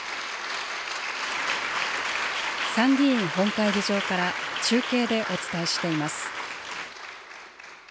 参議院本会議場から、中継でお伝えしています。